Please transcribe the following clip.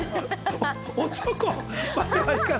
おちょこ。